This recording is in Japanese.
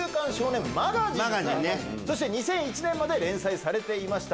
２００１年まで連載されていました。